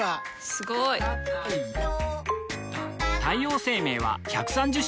すごい！太陽生命は１３０周年